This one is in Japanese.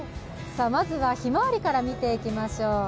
まずはひまわりから見ていましょう。